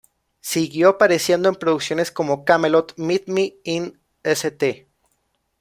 Siguió apareciendo en producciones como "Camelot", "Meet Me In St.